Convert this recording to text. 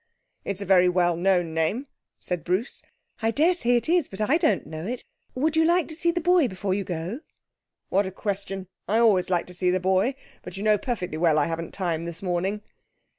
'It's a very well known name,' said Bruce. 'I daresay it is, but I don't know it. Would you like to see the boy before you go?' 'What a question! I always like to see the boy. But you know perfectly well I haven't time this morning.'